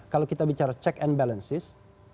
kalau kita bicara check and balances